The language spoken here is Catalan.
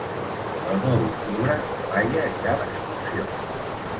El nou d'octubre na Laia irà d'excursió.